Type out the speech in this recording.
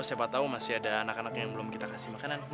siapa tahu masih ada anak anak yang belum kita kasih makanan